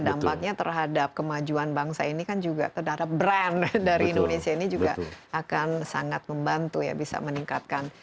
dampaknya terhadap kemajuan bangsa ini kan juga terhadap brand dari indonesia ini juga akan sangat membantu ya bisa meningkatkan